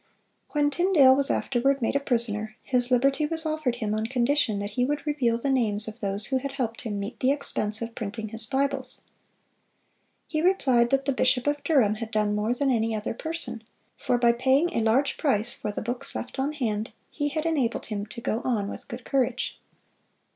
When Tyndale was afterward made a prisoner, his liberty was offered him on condition that he would reveal the names of those who had helped him meet the expense of printing his Bibles. He replied that the bishop of Durham had done more than any other person; for by paying a large price for the books left on hand, he had enabled him to go on with good courage.